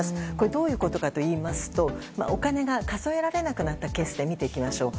どういうことかといいますとお金が数えられなくなったケースで見ていきましょう。